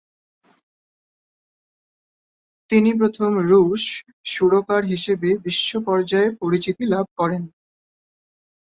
তিনি প্রথম রুশ সুরকার হিসেবে বিশ্ব পর্যায়ে পরিচিত লাভ করেন।